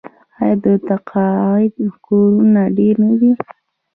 آیا د تقاعد کورونه ډیر نه دي؟